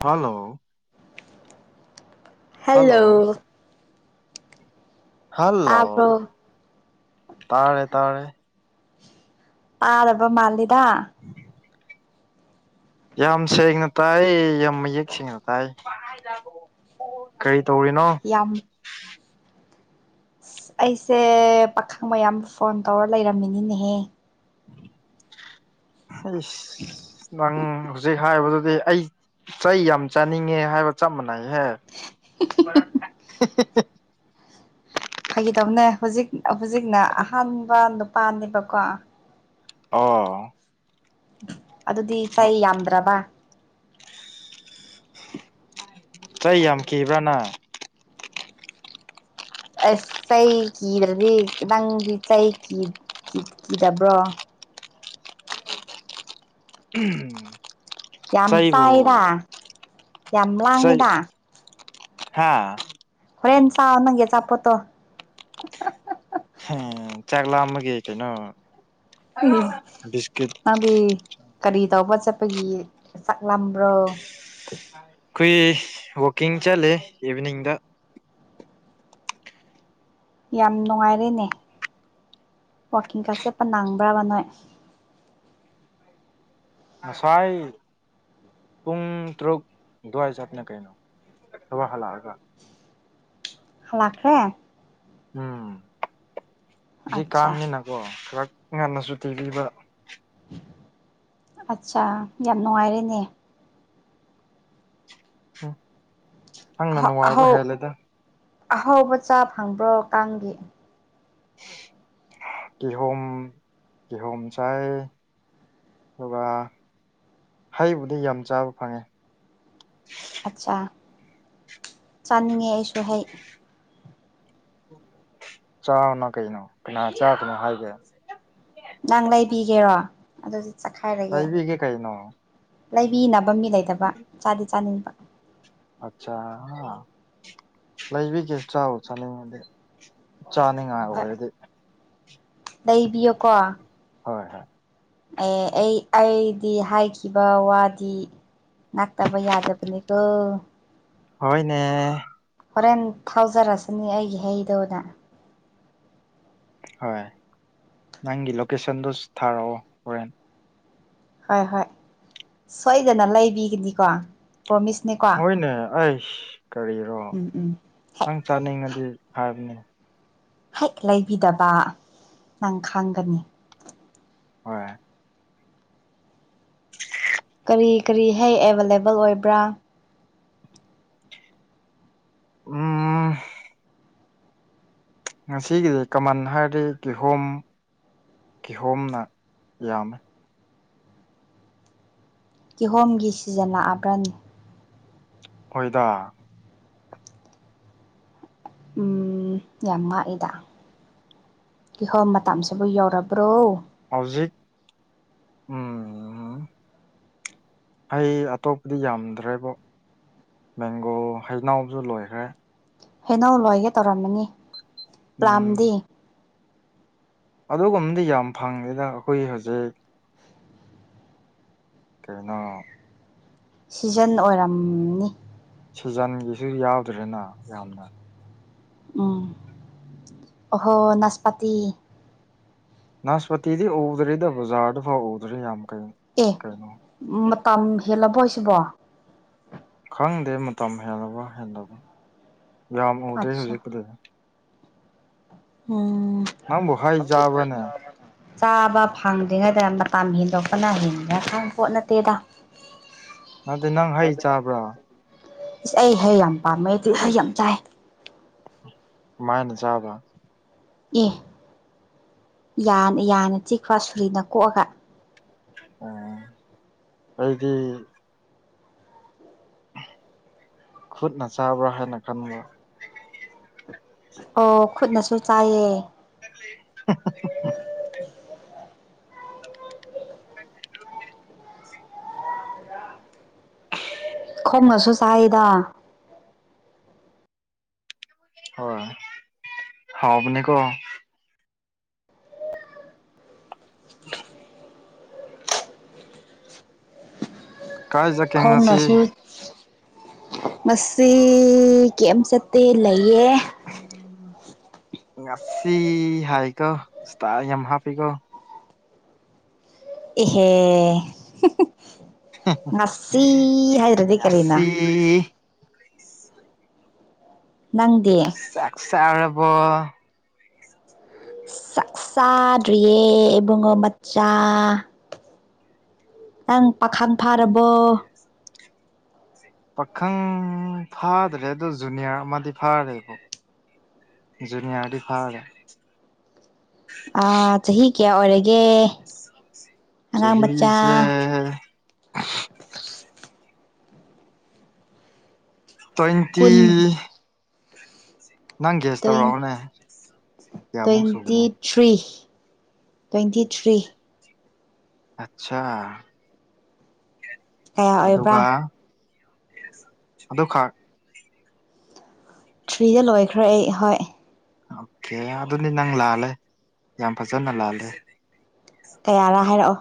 ꯍꯥꯜꯂꯣ hello hello ꯇꯥꯕ꯭ꯔꯣ ꯇꯥꯔꯦ ꯇꯥꯔꯦ ꯇꯥꯗꯕ ꯃꯥꯜꯂꯤꯗ ꯌꯥꯝ ꯁꯦꯡꯅ ꯇꯥꯏ ꯌꯥꯝ ꯃꯌꯦꯛ ꯁꯦꯡꯅ ꯇꯥꯏ ꯀꯔꯤ ꯇꯧꯔꯤꯅꯣ ꯌꯥꯝ ꯑꯩꯁꯦ ꯄꯥꯈꯪ ꯃꯌꯥꯝ ꯐꯣꯟ ꯇꯧꯔ ꯂꯩꯔꯝꯃꯤꯅꯤꯅꯦꯍꯦ ꯏꯁ ꯅꯪ ꯍꯧꯖꯤꯛ ꯍꯥꯏꯕꯗꯨꯗꯤ ꯑꯩ ꯆꯩ ꯌꯥꯝ ꯆꯥꯅꯤꯡꯉꯦ ꯍꯥꯏꯕ ꯆꯞ ꯃꯥꯟꯅꯩꯍꯦ ꯐꯒꯤꯇꯧꯕꯅꯦ ꯍꯧꯖꯤꯛ ꯍꯧꯖꯤꯛꯅ ꯑꯍꯥꯟꯕ ꯅꯨꯄꯥꯅꯦꯕꯀꯣ ꯑꯣ ꯑꯗꯨꯗꯤ ꯆꯩ ꯌꯥꯝꯗ꯭ꯔꯕ ꯆꯩ ꯌꯥꯝ ꯀꯤꯕ꯭ꯔꯥ ꯅꯪ ꯑꯁ ꯆꯩ ꯀꯤꯗ꯭ꯔꯗꯤ ꯅꯪꯗꯤ ꯆꯩ ꯀꯤ ꯀꯤ ꯀꯤꯗꯕ꯭ꯔꯣ ꯎꯍꯝ ꯌꯥꯝꯆꯥꯏꯗ ꯌꯥꯝꯂꯥꯡꯉꯤꯗ ꯍꯥꯥ ꯍꯣꯔꯦꯟ ꯆꯥꯎ ꯅꯪꯒꯤ ꯑꯆꯥꯄꯣꯠꯇꯣ ꯍꯦꯝ ꯆꯥꯛ ꯂꯥꯝꯃꯒꯤ ꯀꯩꯅꯣ ꯏꯁ ꯕꯤꯁꯀꯤꯠ ꯅꯪꯗꯤ ꯀꯔꯤ ꯇꯧꯕ ꯆꯠꯄꯒꯤ ꯆꯥꯛ ꯂꯥꯝꯕ꯭ꯔꯣ ꯑꯩꯈꯣꯏ ꯋꯥꯛꯀꯤꯡ ꯆꯠꯂꯦ ꯏꯚꯅꯤꯡꯗ ꯌꯥꯝ ꯅꯨꯡꯉꯥꯏꯔꯦꯅꯦ ꯋꯥꯀꯤꯡꯀ ꯆꯠꯄ ꯅꯪꯕ꯭ꯔꯕ ꯅꯣꯏ [inaudible] ꯉꯁꯥꯏ ꯄꯨꯡ ꯇꯔꯨꯛ ꯑꯗꯨꯋꯥꯏ ꯆꯠꯄꯅꯦ ꯀꯩꯅꯣ ꯊꯕꯛ ꯍꯜꯂꯛꯑꯒ ꯍꯂꯛꯈ꯭ꯔꯦ ꯎꯝ ꯍꯨꯖꯤꯛ ꯑꯠꯆꯥ ꯀꯥꯡꯅꯤꯅꯀꯣ ꯈꯔꯛ ꯉꯟꯅ ꯁꯨꯇꯤ ꯄꯤꯕ ꯑꯆꯥ ꯌꯥꯝ ꯅꯨꯡꯉꯥꯏꯔꯦꯅꯦ ꯎ ꯑꯍꯧ ꯑꯍꯧ ꯑꯍꯧꯕ ꯆꯥ ꯐꯪꯕ꯭ꯔꯣ ꯀꯥꯡꯒꯤ ꯀꯤꯍꯣꯝ ꯀꯤꯍꯣꯝꯆꯥꯏ ꯑꯗꯨꯒ ꯍꯩꯕꯨꯗꯤ ꯌꯥꯝ ꯆꯥꯕ ꯐꯪꯉꯦ ꯑꯠꯆꯥ ꯆꯥꯅꯤꯡꯉꯦ ꯑꯩꯁꯨ ꯍꯩ ꯆꯥꯎꯅ ꯀꯩꯅꯣ ꯀꯅꯥ ꯆꯥꯒꯅꯣ ꯍꯥꯏꯒꯦ ꯅꯪ ꯂꯩꯕꯤꯒꯦꯔꯣ ꯑꯗꯨꯗꯤ ꯆꯥꯈꯥꯏꯔꯒꯦ ꯂꯩꯕꯤꯒꯦ ꯀꯩꯅꯣ ꯂꯩꯕꯤꯅꯕ ꯃꯤ ꯂꯩꯇꯕ ꯆꯥꯗꯤ ꯆꯥꯅꯤꯡꯕ ꯑꯆꯥ ꯂꯩꯕꯤꯒꯦ ꯆꯥꯎ ꯆꯥꯅꯤꯡꯉꯗꯤ ꯆꯥꯅꯤꯡꯉꯥꯏ ꯍꯣꯏ ꯑꯣꯏꯔꯗꯤ ꯂꯩꯕꯤꯌꯣꯀꯣ ꯍꯣꯏ ꯍꯣꯏ ꯑꯦ ꯑꯩ ꯑꯩꯗꯤ ꯍꯥꯏꯈꯤꯕ ꯋꯥꯗꯤ ꯉꯥꯛꯇꯕ ꯌꯥꯗꯕꯅꯤꯀꯣ ꯍꯣꯏꯅꯦ ꯍꯣꯔꯦꯟ ꯊꯥꯎꯖꯔꯁꯤꯅꯤ ꯑꯩꯒꯤ ꯍꯩꯗꯨꯅ ꯍꯣꯏ ꯅꯪꯒꯤ ꯂꯣꯀꯦꯁꯟꯗꯨ ꯊꯥꯔꯛꯑꯣ ꯍꯣꯔꯦꯟ ꯍꯣꯏ ꯍꯣꯏ ꯁꯣꯏꯗꯅ ꯂꯩꯕꯤꯒꯅꯤꯀꯣ ꯄꯣꯃꯤꯁꯅꯦꯀꯣ ꯍꯣꯏꯅꯦ ꯑꯁ ꯀꯔꯤ ꯎꯝ ꯎꯝ ꯍꯦꯛ ꯅꯪ ꯆꯥꯅꯤꯡꯉꯗꯤ ꯍꯥꯏꯕꯅꯦ ꯍꯦꯛ ꯂꯩꯕꯤꯗꯕ ꯅꯪ ꯈꯪꯒꯅꯤ ꯍꯣꯏ ꯀꯔꯤ ꯀꯔꯤ ꯍꯩ ꯑꯦꯕꯥꯏꯂꯦꯕꯜ ꯑꯣꯏꯕ꯭ꯔꯥ ꯎꯝ ꯉꯁꯤꯒꯤꯗꯤ ꯀꯃꯟ ꯍꯥꯏꯔꯗꯤ ꯀꯤꯍꯣꯝ ꯀꯤꯍꯣꯝꯅ ꯌꯥꯝꯃꯤ ꯀꯤꯍꯣꯝꯒꯤ ꯁꯤꯖꯤꯟ ꯅꯛꯑꯕ꯭ꯔꯅꯦ ꯍꯣꯏꯗ ꯎꯝ ꯌꯥꯝ ꯃꯥꯜꯂꯦꯗ ꯀꯤꯍꯣꯝ ꯃꯇꯝꯁꯤꯕꯨ ꯌꯧꯔꯕ꯭ꯔꯣ ꯍꯧꯖꯤꯛ ꯎꯝ ꯍꯩ ꯑꯇꯣꯞꯄꯗꯤ ꯌꯥꯝꯗ꯭ꯔꯦꯕꯣ ꯃꯦꯡꯒꯣ ꯍꯩꯅꯥꯎꯁꯨ ꯂꯣꯏꯈ꯭ꯔꯦ ꯍꯦꯩꯅꯧ ꯂꯣꯏꯒꯦ ꯇꯧꯔꯝꯃꯅꯤ ꯎꯝ ꯄ꯭ꯂꯥꯝꯗꯤ ꯑꯗꯨꯒꯨꯝꯕꯗꯤ ꯌꯥꯝ ꯐꯪꯗꯦꯗ ꯑꯩꯈꯣꯏ ꯍꯧꯖꯤꯛ ꯀꯩꯅꯣ ꯁꯤꯖꯟ ꯑꯣꯏꯔꯝꯅꯤ ꯁꯤꯖꯟꯒꯤꯁꯨ ꯌꯥꯎꯗ꯭ꯔꯦꯅ ꯌꯥꯝꯅ ꯎꯝ ꯑꯣꯍꯣ ꯅꯥꯁꯄꯥꯇꯤ ꯅꯥꯁꯄꯇꯤꯗꯤ ꯎꯗ꯭ꯔꯤꯗ ꯕꯖꯥꯔꯗ ꯐꯥꯎ ꯎꯗ꯭ꯔꯤ ꯌꯥꯝ ꯀꯩꯅꯣ ꯑꯦ ꯀꯩꯅꯣ ꯃꯇꯝ ꯍꯦꯜꯂꯕꯣ ꯍꯥꯏꯁꯤꯕꯣ ꯈꯪꯗꯦ ꯃꯇꯝ ꯍꯦꯜꯂꯕ ꯍꯦꯟꯗꯕꯔꯥ ꯌꯥꯝ ꯎꯗ꯭ꯔꯦ ꯑꯠꯆꯥ ꯍꯧꯖꯤꯛꯄꯨꯗꯤ ꯎꯝ ꯅꯪꯕꯨ ꯍꯩ ꯆꯥꯕ꯭ꯔꯥꯅꯦ ꯆꯥꯕ ꯐꯪꯗ꯭ꯔꯤꯉꯩꯗ ꯃꯇꯝ ꯍꯦꯟꯗꯣꯛꯄꯅ ꯍꯦꯟꯗꯅ ꯈꯥꯡ ꯄꯣꯠ ꯅꯠꯇꯦꯗ ꯑꯣ [inaudible] ꯑꯗꯨ ꯅꯪ ꯍꯩ ꯆꯥꯕ꯭ꯔꯥ ꯏꯁꯁ ꯑꯩ ꯍꯩ ꯌꯥꯝ ꯄꯥꯝꯃꯦ ꯗꯨꯢ ꯍꯩ ꯌꯥꯝ ꯆꯥꯏ ꯀꯃꯥꯢꯅ ꯆꯥꯕꯔꯥ ꯑꯦ ꯌꯥꯅ ꯆꯤꯛꯉꯥꯒ ꯁꯨꯔꯤꯅ ꯀꯣꯛꯑꯒ ꯑꯣ ꯑꯩꯗꯤ ꯈꯨꯠꯅ ꯆꯥꯕ꯭ꯔꯥ ꯍꯥꯏꯅ ꯈꯟꯕ꯭ꯔꯥ ꯑꯣ ꯈꯨꯠꯅꯁꯨ ꯆꯥꯏꯌꯦ [inaudible] ꯈꯣꯡꯅꯁꯨ ꯆꯥꯏꯗ ꯍꯣꯢ ꯍꯥꯎꯕꯅꯦ ꯀꯣ ꯎ [inaudible] ꯀꯥꯏ ꯆꯠꯀꯦ ꯉꯁꯤ ꯈꯣꯡꯅꯁꯨ ꯃꯁꯤ ꯀꯦꯝ ꯆꯠꯇꯦ ꯂꯩꯌꯦ ꯉꯁꯤ ꯍꯥꯏꯀꯣ ꯏꯁꯇꯥ ꯌꯥꯝ ꯍꯥꯞꯄꯤꯀꯣ ꯏꯍꯦ ꯉꯁꯤ ꯍꯥꯏꯗ꯭ꯔꯗꯤ ꯀꯔꯤꯅꯣ ꯏ [inaudible] ꯅꯪꯗꯤ ꯆꯥꯛ ꯆꯔꯥꯕꯣ ꯆꯥꯛ ꯆꯥꯗ꯭ꯔꯤꯌꯦ ꯏꯕꯨꯡꯉꯣ ꯃꯆꯥ ꯅꯪ ꯄꯥꯈꯪ ꯐꯥꯔꯕꯣ ꯄꯥꯈꯪ ꯐꯥꯗ꯭ꯔꯦ ꯑꯗꯣ ꯖꯨꯅꯤꯌꯔ ꯑꯃꯗꯤ ꯐꯥꯔꯦꯕꯣ ꯖꯨꯅꯤꯌꯔ ꯗꯤ ꯐꯥꯔꯦ ꯑꯥ ꯆꯍꯤ ꯀꯌꯥ ꯑꯣꯏꯔꯒꯦ ꯑꯉꯥꯡ ꯃꯆꯥ ꯆꯍꯤꯁꯦ ꯇ꯭ꯋꯦꯟꯇꯤ ꯀꯨꯟ ꯅꯪ ꯒ꯭ꯌꯥꯁ ꯇꯧꯔꯛꯑꯣꯅꯦ ꯀꯌꯥꯃꯨꯛ ꯁꯨꯕꯅꯦ ꯇ꯭ꯋꯦꯟꯇꯤ ꯊ꯭ꯔꯤ ꯇ꯭ꯋꯦꯟꯇꯤ ꯊ꯭ꯔꯤ ꯑꯆꯥꯆꯥ ꯀꯌꯥ ꯑꯣꯏꯕ꯭ꯔꯥ ꯑꯗꯨꯒ ꯑꯗꯨꯈꯛ ꯊ꯭ꯔꯤꯗ ꯂꯣꯏꯈ꯭ꯔꯦ ꯑꯩ ꯍꯣꯏ ꯑꯣꯀꯦ ꯑꯗꯨꯅꯤ ꯅꯪ ꯂꯥꯜꯂꯦ ꯌꯥꯝ ꯐꯖꯅ ꯂꯥꯜꯂꯦ ꯀꯌꯥꯔꯥ ꯍꯥꯏꯔꯛꯑꯣ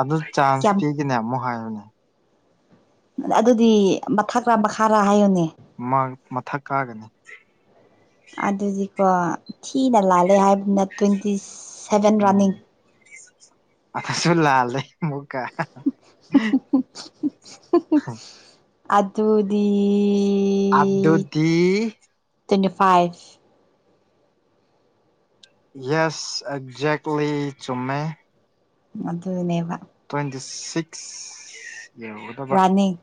ꯑꯗꯨ ꯆꯥꯟꯁ ꯀꯌꯥꯝ ꯄꯤꯒꯅꯦ ꯑꯃꯨꯛ ꯍꯥꯏꯌꯨꯅꯦ ꯑꯗꯨꯗꯤ ꯃꯊꯛꯔ ꯃꯈꯥꯔꯥ ꯍꯥꯏꯌꯨꯅꯦ ꯃꯊꯛ ꯀꯥꯒꯅꯤ ꯑꯗꯨꯗꯤꯀꯣ ꯊꯤꯅ ꯂꯥꯜꯂꯦ ꯍꯥꯏꯕꯅ ꯇ꯭ꯋꯦꯟꯇꯤ ꯁꯚꯦꯟ ꯔꯥꯅꯤꯡ ꯑꯁꯨ ꯂꯜꯂꯦ ꯃꯨꯛꯀ ꯑꯗꯨꯗꯤ ꯑꯗꯨꯗꯤ ꯇꯣꯏꯅꯤꯐꯥꯏꯠ ꯌꯦꯁ ꯑꯦꯛꯖꯦꯛꯂꯤ ꯆꯨꯝꯃꯦ ꯃꯗꯨꯅꯦꯕ ꯇ꯭ꯋꯦꯟꯇꯤ ꯁꯤꯛꯁ ꯔꯅꯤ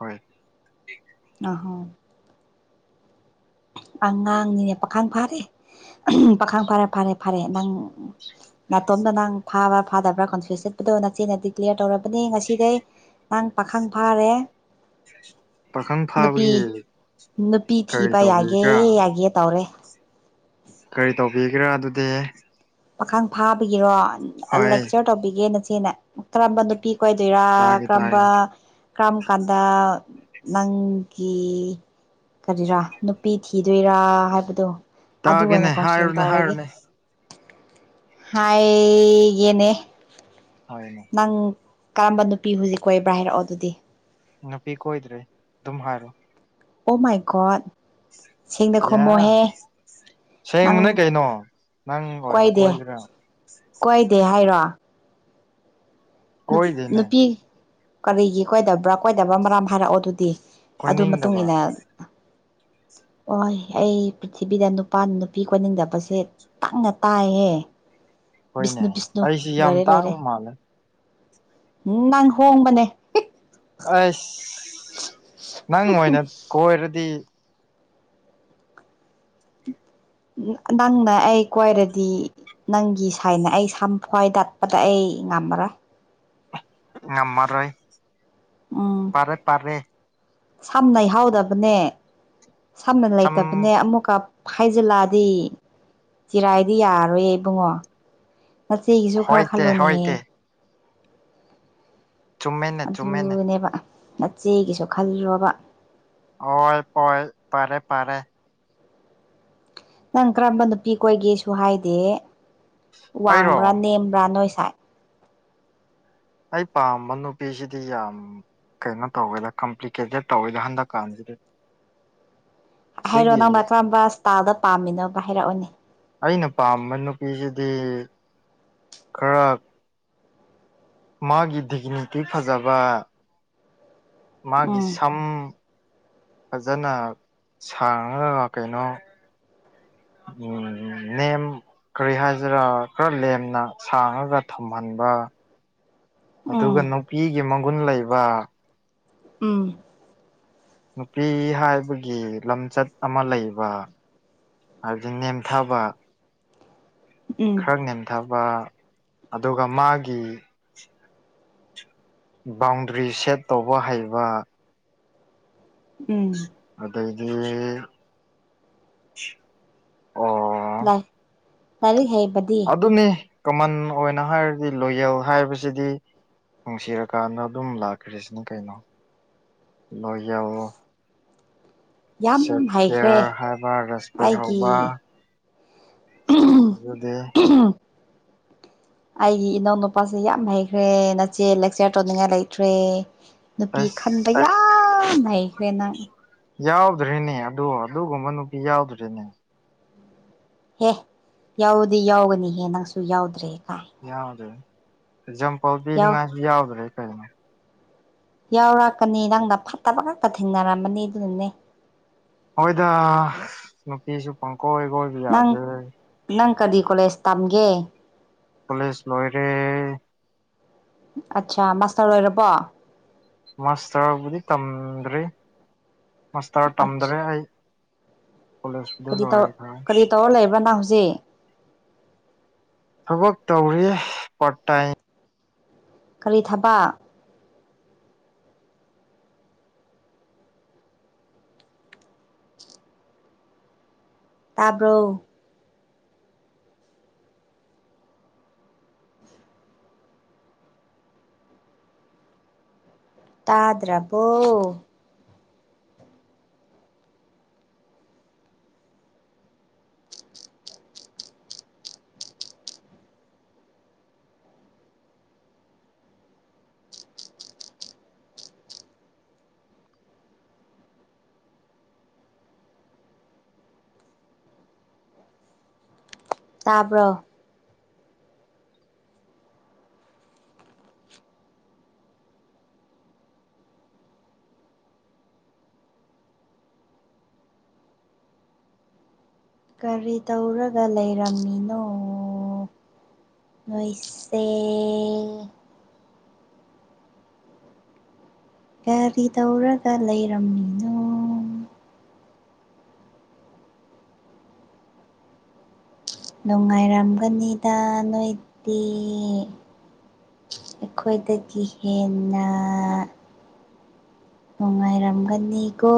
ꯍꯣꯏ ꯑꯍꯣ [unintelligible] ꯑꯉꯥꯡꯅꯤ ꯄꯥꯈꯪ ꯐꯥꯔꯦ ꯄꯥꯈꯪ ꯐꯥꯔꯦ ꯐꯔꯦ ꯐꯔꯦ ꯅꯪ ꯅꯥꯇꯣꯝꯗ ꯅꯪ ꯐꯥꯕ꯭ꯔ ꯐꯥꯗꯕ꯭ꯔꯥ ꯀꯣꯟꯐ꯭ꯌꯨꯁ ꯆꯠꯄꯗꯣ ꯅꯆꯦꯅ ꯗꯤꯀ꯭ꯂꯤꯌꯥꯔ ꯇꯧꯔꯕꯅꯤ ꯉꯁꯤꯗꯩ ꯅꯪ ꯄꯥꯈꯪ ꯐꯥꯔꯦ ꯄꯥꯈꯪ ꯅꯨꯄꯤ ꯐꯥꯕꯒꯤ ꯅꯨꯄꯤ ꯀꯔꯤ ꯊꯤꯕ ꯌꯥꯒꯦ ꯇꯧꯕꯤꯕ꯭ꯔꯥ ꯌꯥꯒꯦ ꯇꯧꯔꯦ ꯀꯔꯤ ꯇꯧꯕꯤꯒꯦꯔꯥ ꯑꯗꯨꯗꯤ ꯄꯥꯈꯪ ꯐꯥꯕꯒꯤꯔꯣ ꯍꯣꯏ ꯂꯦꯛꯆꯔ ꯇꯧꯕꯤꯒꯦ ꯅꯆꯦꯅ ꯀꯔꯝꯕ ꯅꯨꯄꯤ ꯀꯣꯏꯗꯣꯏꯔꯥ ꯇꯥꯒꯦ ꯀꯔꯝꯕ ꯇꯥꯒꯦ ꯀꯔꯝ ꯀꯥꯟꯗ ꯅꯪꯒꯤ ꯀꯔꯤꯔꯥ ꯅꯨꯄꯤ ꯊꯤꯗꯣꯏꯔꯥ ꯍꯥꯏꯕꯗꯣ ꯑꯗꯨ ꯇꯥꯒꯦꯅꯦ ꯑꯣꯏꯅ ꯀꯥꯎꯟꯁꯤꯂꯤꯡ ꯍꯥꯏꯔꯣꯅꯦ ꯇꯧꯔꯒꯦ ꯍꯥꯏꯔꯣꯅꯦ ꯍꯥꯏ ꯌꯦꯅꯦ ꯍꯣꯏꯅꯦ ꯅꯪ ꯀꯔꯝꯕ ꯅꯨꯄꯤ ꯍꯨꯖꯤꯛ ꯀꯣꯏꯕ꯭ꯔꯥ ꯍꯥꯏꯔꯛꯑꯣ ꯑꯗꯨꯗꯤ ꯅꯨꯄꯤ ꯀꯣꯏꯗ꯭ꯔꯦ ꯗꯨꯝ ꯍꯥꯏꯔꯣ ꯑꯣ ꯃꯥꯏꯒꯣꯠ ꯁꯦꯡꯅ ꯈꯨꯝꯃꯣꯍꯦ ꯁꯦꯡꯕ ꯅꯣꯏ ꯅꯪ ꯀꯩꯅꯣ ꯅꯪ ꯑꯣꯏꯅ ꯀꯣꯏꯒꯦꯔꯥ ꯀꯣꯏꯏꯗꯦ ꯍꯥꯏꯔꯣ ꯀꯣꯏꯗꯦꯅꯦ ꯅꯨꯄꯤ ꯀꯔꯤꯒꯤ ꯀꯣꯏꯗꯕ꯭ꯔꯥ ꯀꯣꯏꯗꯕ꯭ꯔꯥ ꯃꯔꯝ ꯍꯥꯏꯔꯛꯑꯣ ꯑꯗꯨꯗꯤ ꯑꯗꯨ ꯃꯇꯨꯡ ꯀꯣꯏꯅꯤꯡꯗꯕ ꯏꯟꯅ ꯍ ꯑꯩ ꯄ꯭ꯔꯤꯊꯤꯕꯤꯗ ꯅꯨꯄꯥ ꯅꯨꯄꯤ ꯀꯣꯏꯅꯤꯡꯗꯕꯁꯦ ꯇꯪꯅ ꯇꯥꯏꯍꯦ ꯍꯣꯏꯅꯦ ꯕꯤꯁꯅꯨ ꯕꯤꯁꯅꯨ ꯑꯩꯁꯤ ꯌꯥꯝ ꯂꯣꯏꯔꯦ ꯂꯣꯏꯔꯦ ꯇꯥꯡꯕ ꯃꯥꯜꯂꯦ ꯎ ꯅꯪ ꯍꯣꯡꯕꯅꯦ ꯑꯁ ꯅꯪ ꯑꯣꯏꯅ ꯀꯣꯏꯔꯗꯤ ꯅꯪꯅ ꯑꯩ ꯀ꯭ꯋꯥꯏꯔꯗꯤ ꯅꯪꯒꯤ ꯁꯥꯏꯅ ꯑꯩ ꯁꯝꯐ꯭ꯋꯥꯏ ꯗꯠꯄꯗ ꯑꯩ ꯉꯝꯃꯔꯥ ꯉꯝꯃꯔꯣꯏ ꯎꯝ ꯄꯔꯦ ꯄꯔꯦ ꯁꯝꯅ ꯏꯍꯥꯎꯗꯕꯅꯦ ꯁꯝꯅ ꯆꯝ ꯂꯩꯇꯕꯅꯦ ꯑꯃꯨꯛꯀ ꯐꯥꯏꯖꯤꯜꯂꯥꯗꯤ ꯆꯤꯔꯥꯏꯗꯤ ꯌꯥꯔꯣꯏꯌꯦ ꯏꯕꯨꯡꯉꯣ ꯅꯆꯦꯒꯤꯁꯨ ꯈꯔ ꯍꯣꯏꯇꯦ ꯈꯜꯂꯣꯅꯦꯍꯦ ꯍꯣꯏꯇꯦ ꯆꯨꯝꯃꯦꯅꯦ ꯆꯨꯝꯃꯦꯅꯦ ꯑꯗꯨꯅꯦꯕ ꯅꯆꯦꯒꯤꯁꯨ ꯈꯜꯂꯣꯕ ꯍꯣꯏ ꯄꯣꯏ ꯄꯔꯦ ꯄꯔꯦ ꯅꯪ ꯀꯔꯝꯕ ꯅꯨꯄꯤꯈꯣꯏꯒꯦꯁꯨ ꯍꯥꯏꯗꯦ ꯑꯩꯔꯣ ꯋꯥꯡꯕ꯭ꯔꯥ ꯅꯦꯝꯕ꯭ꯔꯥ ꯅꯣꯏ ꯁꯥꯏ ꯑꯩ ꯄꯥꯝꯕ ꯅꯨꯄꯤꯁꯤꯗꯤ ꯌꯥꯝ ꯀꯩꯅꯣ ꯇꯧꯋꯦꯗ ꯀꯝꯄ꯭ꯂꯤꯀꯦꯇꯦꯠ ꯇꯧꯋꯦꯗ ꯍꯟꯗꯛ ꯀꯥꯟꯁꯤꯗ ꯍꯥꯏꯔꯣ ꯅꯪꯅ ꯀꯔꯝꯕ ꯏꯁ꯭ꯇꯥꯥꯏꯜꯗ ꯄꯥꯝꯃꯤꯅꯣꯕ ꯍꯥꯏꯔꯛꯑꯣꯅꯦ ꯑꯩꯅ ꯄꯥꯝꯕ ꯅꯨꯄꯤꯁꯤꯗꯤ ꯈꯔ ꯃꯥꯒꯤ ꯗꯤꯒꯅꯤꯇꯤ ꯐꯖꯕ ꯃꯥꯒꯤ ꯎꯝ ꯁꯝ ꯐꯖꯅ ꯁꯥꯡꯉꯒ ꯀꯩꯅꯣ ꯎꯝ ꯅ ꯀꯔꯤ ꯍꯥꯏꯁꯤꯔꯥ ꯈꯔ ꯂꯦꯝꯅ ꯁꯥꯡꯉꯒ ꯊꯝꯍꯟꯕ [unintelligible] ꯑꯗꯨꯒ ꯅꯨꯄꯤꯒꯤ ꯃꯒꯨꯟ ꯂꯩꯕ ꯎꯝ ꯅꯨꯄꯤ ꯍꯥꯏꯕꯒꯤ ꯂꯝꯆꯠ ꯑꯃ ꯂꯩꯕ ꯍꯥꯏꯕꯗꯤ ꯅꯦꯝꯊꯥꯕ ꯎꯝ ꯅꯦꯟꯊꯕ ꯑꯗꯨꯒ ꯃꯥꯒꯤ ꯕꯥꯎꯟꯗ꯭ꯔꯤ ꯁꯦꯠ ꯇꯧꯕ ꯍꯩꯕ ꯎꯝ ꯑꯗꯥꯏꯗꯤ ꯑꯣ ꯂ ꯂꯔ ꯍꯦꯕꯗꯤ ꯑꯗꯨꯝꯅꯤ ꯀꯃꯟ ꯑꯣꯏꯅ ꯍꯥꯏꯔꯗꯤ ꯂꯣꯌꯦꯜ ꯍꯥꯏꯕꯁꯤꯗꯤ ꯅꯨꯡꯁꯤꯔꯀꯥꯟꯗ ꯑꯗꯨꯝ ꯂꯥꯛꯈ꯭ꯔꯤꯁꯤꯅꯦ ꯀꯩꯅꯣ ꯂꯣꯏ ꯌꯥꯑꯣ ꯌꯥꯝ ꯍꯩꯈ꯭ꯔꯦ ꯀꯦꯌꯔ ꯍꯥꯏꯕ ꯔꯦꯁꯄꯦꯛ ꯑꯩꯒꯤ ꯍꯧꯕ ꯑꯗꯨꯗ ꯑꯩꯒꯤ ꯏꯅꯥꯎ ꯅꯨꯄꯥꯁꯦ ꯌꯥꯝ ꯍꯩꯈ꯭ꯔꯦ ꯅꯆꯦ ꯂꯦꯛꯆꯔ ꯇꯧꯅꯤꯡꯉꯥꯏ ꯂꯩꯇ꯭ꯔꯦ ꯅꯨꯄꯤ ꯑꯁ ꯈꯟꯕ ꯌꯥꯝ ꯂꯩꯈ꯭ꯔꯦꯅ ꯌꯥꯎꯗ꯭ꯔꯤꯅꯦ ꯑꯗꯣ ꯑꯗꯨꯒꯨꯝꯕ ꯅꯨꯄꯤ ꯌꯥꯎꯗ꯭ꯔꯤꯅꯦ ꯍꯦ ꯌꯥꯎꯗꯤ ꯌꯥꯎꯒꯅꯤꯍꯦ ꯅꯪꯁꯨ ꯌꯥꯎꯗ꯭ꯔꯦ ꯀꯥꯏ ꯌꯥꯎꯗ꯭ꯔꯦꯖꯝ ꯄꯥꯎ ꯌꯥꯎ ꯄꯤꯅꯤꯡꯉꯥꯏꯁꯨ ꯌꯥꯎꯗ꯭ꯔꯦ ꯀꯩꯅꯣ ꯌꯥꯎꯔꯛꯀꯅꯤ ꯅꯪꯅ ꯐꯠꯇꯕ ꯉꯛꯇ ꯊꯦꯡꯅꯔꯝꯃꯅꯤ ꯑꯗꯨꯅꯅꯦ ꯑꯩꯈꯣꯏꯗ ꯅꯨꯄꯤꯁꯨ ꯄꯪꯀꯣꯏ ꯑꯣꯏꯈꯣꯏ ꯅꯪ ꯅꯪ ꯀꯔꯤ ꯀꯣꯂꯦꯖ ꯇꯝꯒꯦ ꯀꯂꯦꯖ ꯂꯣꯏꯔꯦ ꯑꯠꯆꯥ ꯃꯥꯁꯇꯔ ꯑꯣꯏꯔꯕꯣ ꯃꯥꯁꯇꯔꯕꯨꯗꯤ ꯇꯝꯗ꯭ꯔꯤ ꯃꯥꯁꯇꯔ ꯑꯠꯆꯥ ꯇꯝꯗ꯭ꯔꯦ ꯑꯩ ꯀ ꯀꯣꯂꯦꯖꯄꯨꯗꯤ ꯇꯧ ꯂꯣꯏꯈ꯭ꯔꯦ ꯀꯔꯤ ꯇꯧꯔ ꯂꯩꯕ꯭ꯔꯅ ꯍꯧꯖꯤꯛ ꯊꯕꯛ ꯇꯧꯔꯤ ꯄꯥꯔꯠ ꯇꯥꯏꯝ ꯀꯔꯤ ꯊꯕ ꯇꯥꯕ꯭ꯔꯣ ꯇꯥꯗ꯭ꯔꯄꯣ ꯇꯥꯕ꯭ꯔꯣ ꯀꯔꯤ ꯇꯧꯔꯒ ꯂꯩꯔꯝꯃꯤꯅꯣ ꯃꯁꯦ ꯒꯥꯔꯤ ꯇꯧꯔꯒ ꯂꯩꯔꯝꯃꯤꯅꯣ ꯅꯨꯡꯉꯥꯏꯔꯝꯒꯅꯤꯗ ꯅꯣꯏꯗꯤ ꯑꯩꯈꯣꯏꯗꯒꯤ ꯍꯦꯟꯅ ꯅꯨꯡꯉꯥꯏꯔꯝꯒꯅꯤꯀꯣ